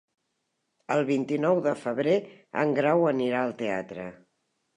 El vint-i-nou de febrer en Grau anirà al teatre.